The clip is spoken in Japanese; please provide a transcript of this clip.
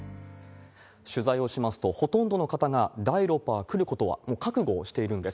取材をしますと、ほとんどの方が、第６波は来ることはもう覚悟をしているんです。